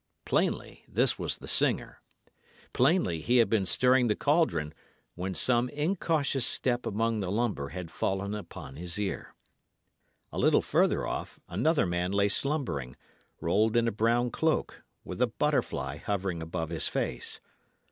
Plainly this was the singer; plainly he had been stirring the caldron, when some incautious step among the lumber had fallen upon his ear. A little further off, another man lay slumbering, rolled in a brown cloak, with a butterfly hovering above his face.